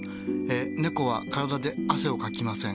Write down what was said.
ねこは体で汗をかきません。